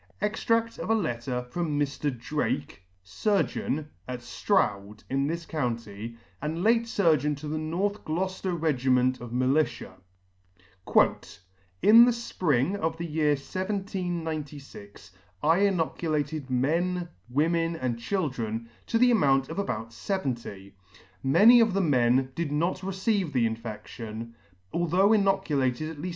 Extradl of a Letter from Mr. Drake, Surgeon, at Stroud, in this county, and late Surgeon to the North Gloucefler Regiment of Militia, " In the fpring of the year 1796, I inoculated men, women, and children, to the amount of about feventy. Many of the men did not receive the infedtion, although inoculated at leaf!